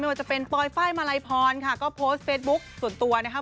ไม่ว่าจะเป็นปอยฟ้ายมาลัยพรค่ะก็โพสต์เฟซบุ๊กส่วนตัวนะครับ